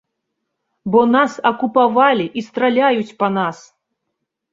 Бо нас акупавалі і страляюць па нас!